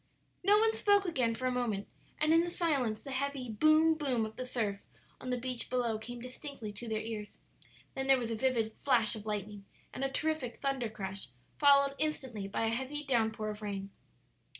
No one spoke again for a moment, and in the silence the heavy boom, boom of the surf on the beach below came distinctly to their ears. Then there was a vivid flash of lightning and a terrific thunder crash, followed instantly by a heavy down pour of rain.